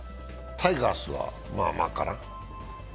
タイガースはまぁまぁかな。